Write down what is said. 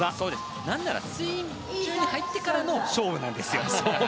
何なら水中に入ってからの勝負なんです。